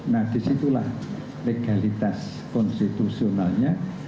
nah disitulah legalitas konstitusionalnya